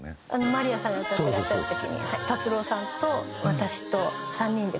まりやさんが歌ってらっしゃる時に達郎さんと私と３人でコーラスを。